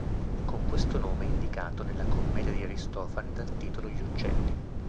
Con questo nome è indicato nella commedia di Aristofane dal titolo "Gli uccelli".